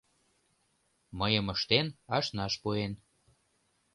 Мыйым ыштен, ашнаш пуэн